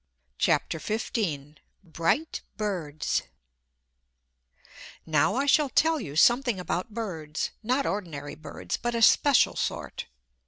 CHAPTER XV Bright Birds Now I shall tell you something about birds; not ordinary birds, but a special sort.